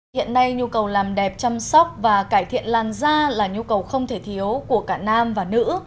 hiện nay nhu cầu làm đẹp chăm sóc và cải thiện làn da là nhu cầu không thể thiếu của cả nam và nữ